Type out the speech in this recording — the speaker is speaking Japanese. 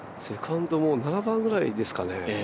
セカンドも７番ぐらいですかね。